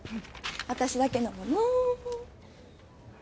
私だけのもの